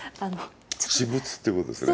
私物ってことですよね。